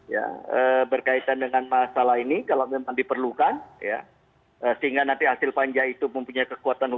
ya ini bisa juga